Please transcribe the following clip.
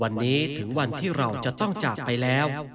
วันนี้ถึงวันที่เราจะต้องจากไปแล้ว